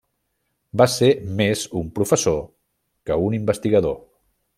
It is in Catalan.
Va ser més un professor que un investigador.